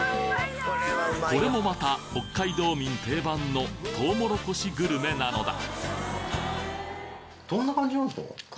これもまた北海道民定番のとうもろこしグルメなのだ